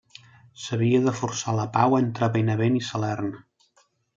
S'havia de forçar la pau entre Benevent i Salern.